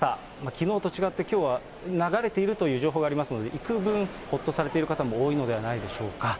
きのうと違って、きょうは流れているという情報がありますので、いくぶんほっとされている方も多いのではないでしょうか。